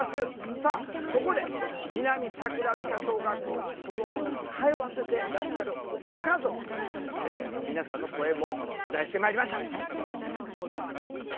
さあそこで南桜塚小学校に子どもを通わせてらっしゃるご家族の皆さんの声も取材してまいりました。